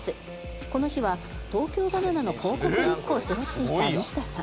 この日は東京ばな奈の広告リュックを背負っていたニシダさん。